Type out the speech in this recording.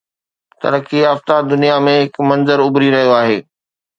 ترقي يافته دنيا ۾ هڪ منظر اڀري رهيو آهي.